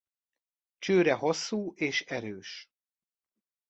Csőre hosszú és erős.